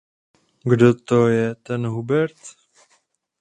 Kdo to je, ten Hubert?